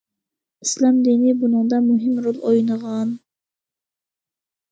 ئىسلام دىنى بۇنىڭدا مۇھىم رول ئوينىغان.